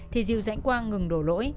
thì diều giãnh quang ngừng đổ lỗi